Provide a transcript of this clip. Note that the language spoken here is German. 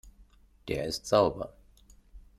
Der ist sauber.